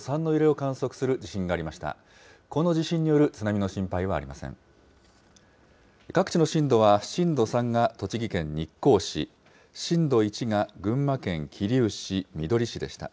各地の震度は震度３が栃木県日光市、震度１が群馬県桐生市、みどり市でした。